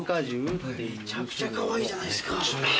めちゃくちゃカワイイじゃないですか。